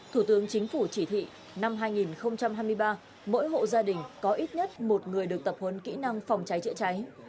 thủ tướng chính phủ chỉ thị năm hai nghìn hai mươi ba mỗi hộ gia đình có ít nhất một người được tập huấn kỹ năng phòng cháy chữa cháy